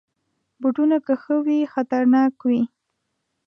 بوټونه که ښوی وي، خطرناک دي.